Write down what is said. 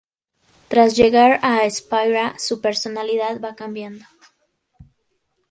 Tras llegar a Spira su personalidad va cambiando.